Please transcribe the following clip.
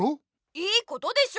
良いことでしょ！